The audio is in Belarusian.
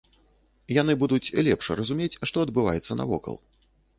Яны будуць лепш разумець, што адбываецца навокал.